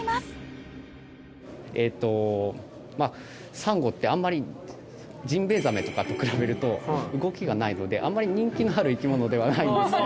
サンゴってあんまりジンベエザメとかと比べると動きがないのであんまり人気のある生き物ではないんですね。